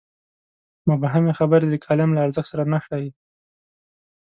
مبهمې خبرې د کالم له ارزښت سره نه ښايي.